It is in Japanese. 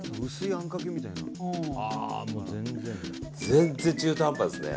全然中途半端ですね。